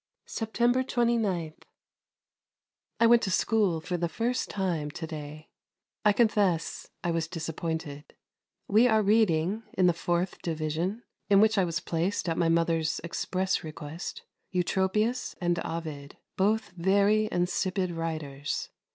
September 29. I went to school for the first time to day. I confess I was disappointed. We are reading, in the Fourth Division, in which I was placed at my mother's express request, Eutropius and Ovid; both very insipid writers.